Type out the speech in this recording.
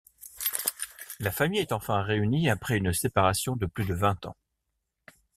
La famille est enfin réunie après une séparation de plus de vingt ans.